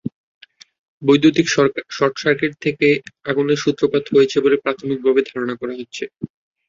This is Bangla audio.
বৈদ্যুতিক শটসার্কিট থেকে আগুনের সূত্রপাত হয়েছে বলে প্রাথমিকভাবে ধারণা করা হচ্ছে।